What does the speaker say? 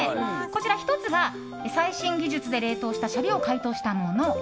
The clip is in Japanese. こちら、１つが最新技術で冷凍したシャリを解凍したもの。